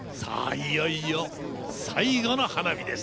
いよいよ最後の花火です。